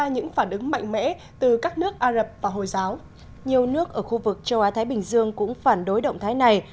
nhiều nước ở khu vực châu á thái bình dương cũng phản đối động thái này